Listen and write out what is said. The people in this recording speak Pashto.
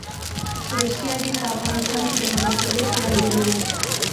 روسیه دې په افغانستان کې د مداخلې خیال ولري.